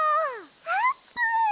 あーぷん！